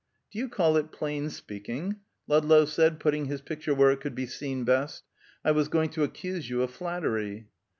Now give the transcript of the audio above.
"Do you call it plain speaking?" Ludlow said, putting his picture where it could be seen best. "I was going to accuse you of flattery."